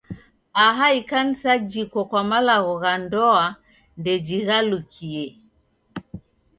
Aha Ikanisa jiko kwa malagho gha ndoa ndejighalukie.